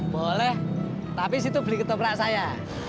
boleh tapi situ beli ketoprak saya